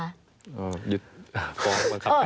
อ๋อหยุดฟ้องบังคัดี